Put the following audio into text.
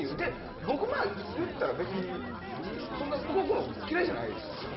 僕も言ったら別に、そんな動くの嫌いじゃないですから。